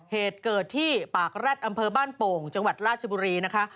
เหตุเกิดที่ปากแร็ดอำเภอบ้านโป่งจังหวัดราชบุรีนะคะ